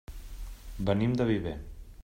Venim de Viver.